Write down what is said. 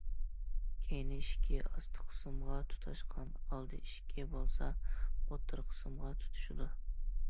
كەينى ئىشىكى ئاستى قىسمىغا تۇتاشقان، ئالدى ئىشىكى بولسا ئوتتۇرا قىسمىغا تۇتىشىدۇ.